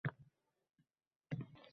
Kuyib ketayin!»